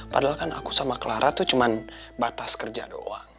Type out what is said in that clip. padahal kan aku sama clara tuh cuma batas kerja doang